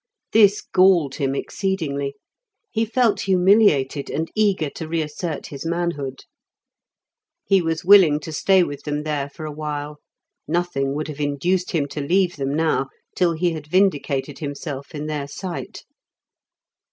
This galled him exceedingly; he felt humiliated, and eager to reassert his manhood. He was willing to stay with them there for awhile, nothing would have induced him to leave them now till he had vindicated himself in their sight.